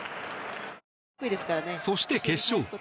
そして、決勝。